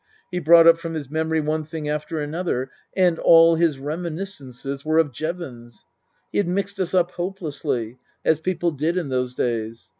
He brought up from his memory one thing after another. And all his reminis cences were of Jevons. He had mixed us up hopelessly, as people did in those days.